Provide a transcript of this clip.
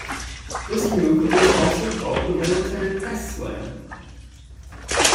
This move is also called the military press slam.